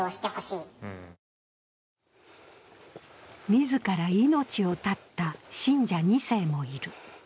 自ら命を絶った信者２世もいる。